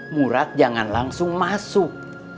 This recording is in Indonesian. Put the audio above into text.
murad jangan langsung masuk